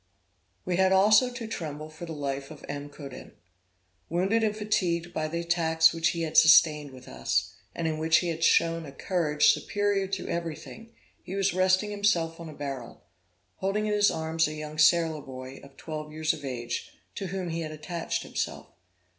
We had also to tremble for the life of M. Coudin. Wounded and fatigued by the attacks which he had sustained with us, and in which he had shown a courage superior to everything, he was resting himself on a barrel, holding in his arms a young sailor boy of twelve years of age, to whom he had attached himself.